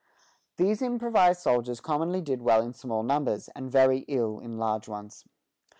These improvised soldiers commonly did well in small numbers, and very ill in large ones.